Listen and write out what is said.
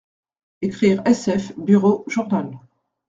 Ecrire SF bureau journal.